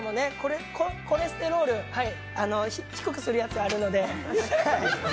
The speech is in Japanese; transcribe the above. コレステロールを低くするやつあるので。